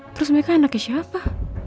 terus mereka anaknya siapa